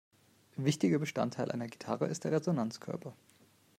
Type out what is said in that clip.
Wichtiger Bestandteil einer Gitarre ist der Resonanzkörper.